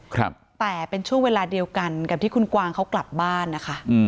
ครับแต่เป็นช่วงเวลาเดียวกันกับที่คุณกวางเขากลับบ้านนะคะอืม